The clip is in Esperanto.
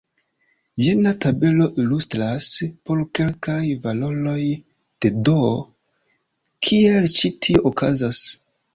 Jena tabelo ilustras, por kelkaj valoroj de "d", kiel ĉi tio okazas.